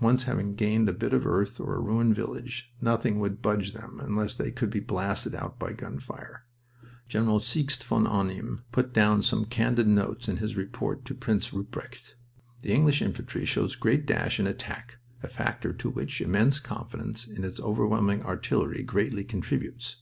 Once having gained a bit of earth or a ruined village, nothing would budge them unless they could be blasted out by gun fire. General Sixt von Arnim put down some candid notes in his report to Prince Rupprecht. "The English infantry shows great dash in attack, a factor to which immense confidence in its overwhelming artillery greatly contributes.